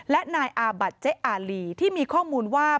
และนายอาบัตรเจ๊อารีที่มีข้อมูลว่า